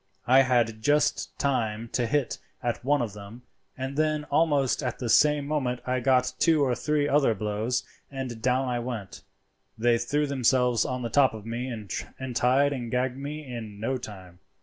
"I had just time to hit at one of them, and then almost at the same moment I got two or three other blows, and down I went; they threw themselves on the top of me and tied and gagged me in no time.